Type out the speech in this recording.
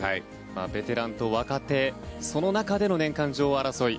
ベテランと若手その中での年間女王争い。